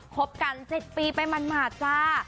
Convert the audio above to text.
บกัน๗ปีไปหมาดจ้า